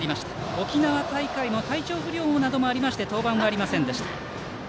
沖縄大会の体調不良などもありまして登板がありませんでした。